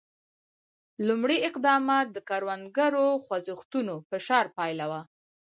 لومړي اقدامات د کروندګرو خوځښتونو فشار پایله وه.